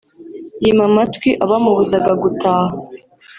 yima amatwi abamubuzaga gutaha